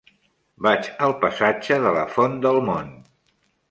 Vaig al passatge de la Font del Mont.